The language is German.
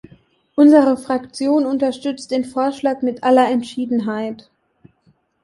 Unsere Fraktion unterstützt den Vorschlag mit aller Entschiedenheit.